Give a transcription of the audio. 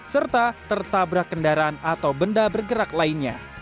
serta tertabrak kendaraan atau benda bergerak lainnya